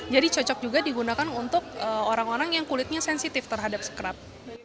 jadi cocok juga digunakan untuk orang orang yang kulitnya sensitif terhadap scrub